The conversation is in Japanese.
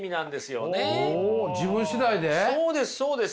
そうです！